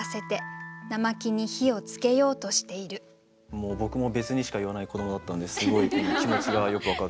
もう僕も「別にしか言わない子供」だったのですごい気持ちがよく分かるというか。